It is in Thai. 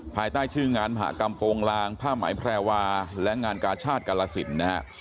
ภายใต้ชื่องานมหากรรมโปรงลางผ้าไหมแพรวาและงานกาชาติกาลสินนะฮะ